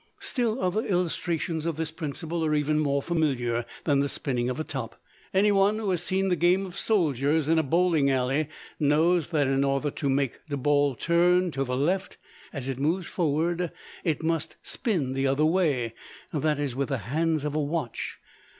Still other illustrations of this principle are even more familiar than the spinning of a top. Any one who has seen the game of soldiers in a bowling alley knows that in order to make the ball turn to the left as it moves forward, it must spin the other way; that is, with the hands of a watch.